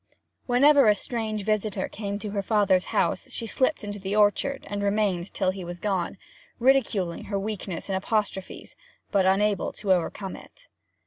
Whenever a strange visitor came to her father's house she slipped into the orchard and remained till he was gone, ridiculing her weakness in apostrophes, but unable to overcome it.